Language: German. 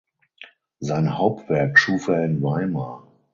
Sein Hauptwerk schuf er in Weimar.